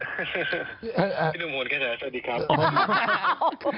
พี่หนุ่มหมดแค่ไหนสวัสดีครับ